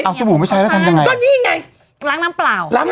เอาสบู่ไม่ใช้แล้วทำยังไงก็นี่ไงล้างน้ำเปล่า